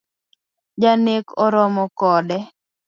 Janek oromo kode